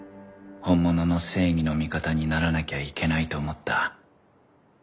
本物の正義の味方にならなきゃいけないと思った